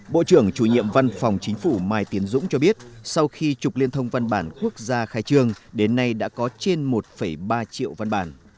bộ trưởng chủ nhiệm văn phòng chính phủ mai tiến dũng cho biết sau khi trục liên thông văn bản quốc gia khai trương đến nay đã có trên một ba triệu văn bản